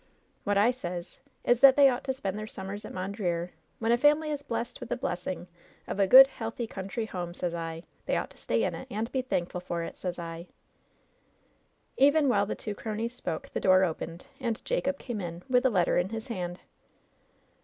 "What I sez is that they ought to spend their sum mers at Mondreer. When a family is blessed with the blessing of a good, healthy country home, sez I, they ought to stay in it, and be thankful for it, sez I," Even while the two cronies spoke the door opened, and Jacob came in, with a letter in his hand.